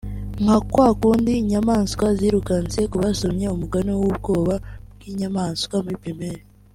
nka kwa kundi inyamaswa zirukanse ku basomye umugani w’ubwoba bw’inyamaswa muri primaire